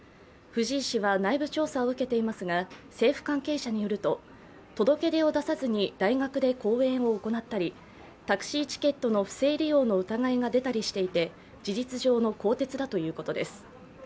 藤井氏は内部調査を受けていますが、政府関係者によると届け出を出さずに大学で講演を行ったりタクシーチケットの不正利用の疑いが出たりしていて事実上の更迭だということです。